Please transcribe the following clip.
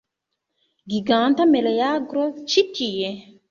Giganta meleagro ĉi tie!